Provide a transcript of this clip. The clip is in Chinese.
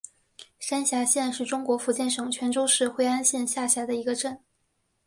山霞镇是中国福建省泉州市惠安县下辖的一个镇。